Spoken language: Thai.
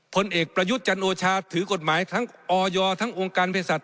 ผลเอกประยุทธ์จันทร์โอชาธิ์ถือกฎหมายทั้งออยอร์ทั้งองค์การพฤศัทธิ์